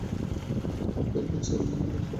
আমাকে বাঁচান, স্যার।